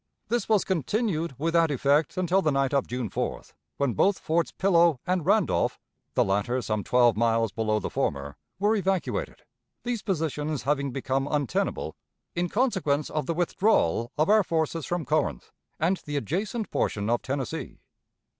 This was continued without effect until the night of June 4th, when both Forts Pillow and Randolph, the latter some twelve miles below the former, were evacuated these positions having become untenable in consequence of the withdrawal of our forces from Corinth and the adjacent portion of Tennessee.